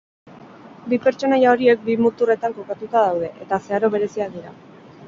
Bi pertsonaia horiek bi muturretan kokatuta daude, eta zeharo bereziak dira.